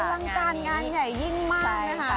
ลังการงานใหญ่ยิ่งมากนะคะ